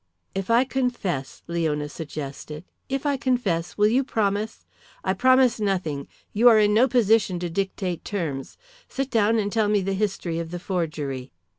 "If I confess," Leona suggested "if I confess, will you promise ." "I promise nothing. You are in no position to dictate terms. Sit down and tell me the history of the forgery."